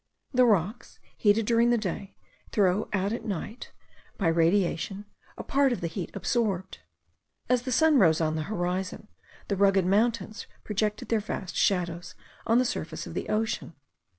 The rocks, heated during the day, throw out at night, by radiation, a part of the heat absorbed. As the sun arose on the horizon, the rugged mountains projected their vast shadows on the surface of the ocean.